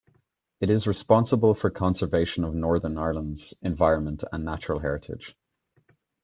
It is responsible for conservation of Northern Ireland's environment and natural heritage.